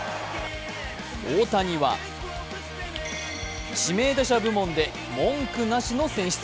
大谷は指名打者部門で文句なしの選出。